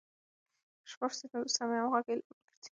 شفاف سیستم د سمې همغږۍ لامل ګرځي.